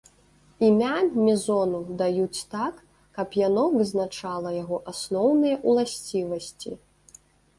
Імя мезону даюць так, каб яно вызначала яго асноўныя ўласцівасці.